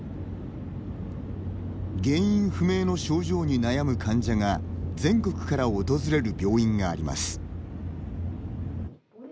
原因不明の症状に悩む患者が全国から訪れる病院があります。